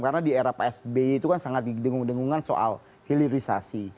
karena di era psb itu kan sangat didengung dengungan soal hilirisasi